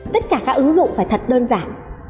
tất cả các ứng dụng phải thật đơn giản